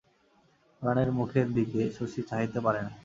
পরাণের মুখের দিকে শশী চাহিতে পারে না!